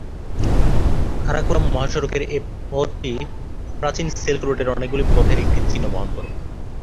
কারাকোরাম মহাসড়কের এ পথটি প্রাচীন সিল্ক রোডের অনেকগুলি পথের একটি চিহ্ন বহন করে।